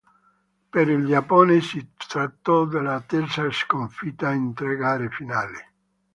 Per il Giappone si trattò della terza sconfitta in tre gare finali.